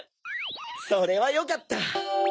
それはよかった！